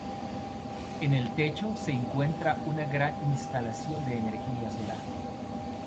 En el techo se encuentra una gran instalación de energía solar.